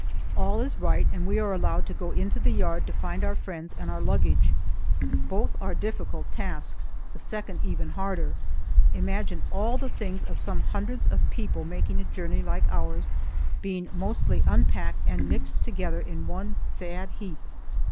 All is right, and we are allowed to go into the yard to find our friends and our luggage. Both are difficult tasks, the second even harder. Imagine all the things of some hundreds of people making a journey like ours, being mostly unpacked and mixed together in one sad heap.